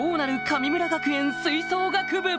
神村学園吹奏楽部！